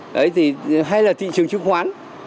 đấy thì hay là thị trường trừng khoán